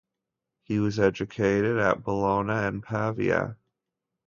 He was educated at Bologna and Pavia.